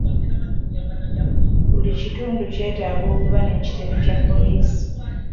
Buli kitundu kyetaaga okuba n'ekitebe Kya poliisi.